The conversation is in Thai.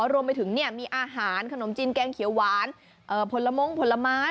รวมไปถึงมีอาหารขนมจีนแกงเขียวหวานผลมงผลไม้